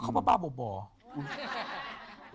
แต่เขาพูดอย่างงี้คุณลองฟังนะ